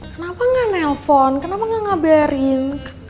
kenapa gak nelfon kenapa gak ngabarin